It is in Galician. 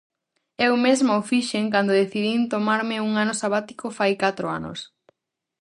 Eu mesma o fixen cando decidín tomarme un ano sabático fai catro anos.